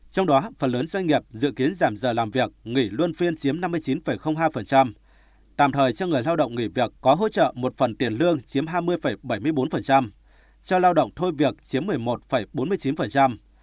trong đó phần lớn doanh nghiệp dự kiến giảm giờ làm việc nghỉ luân phiên chiếm năm mươi chín hai tạm thời cho người lao động nghỉ việc có hỗ trợ một phần tiền lương chiếm hai mươi bảy mươi bốn cho lao động thôi việc chiếm một mươi một bốn mươi chín